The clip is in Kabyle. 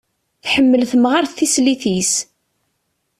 Tḥemmel temɣart tislit-is.